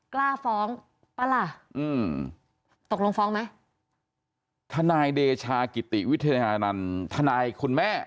กล้าฟ้องป่ะล่ะอืมตกลงฟ้องไหมทนายเดชากิติวิทยานันต์ทนายคุณแม่